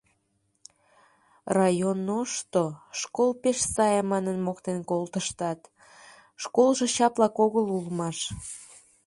РайОНО-што, школ пеш сае манын моктен колтыштат, школжо чаплак огыл улмаш.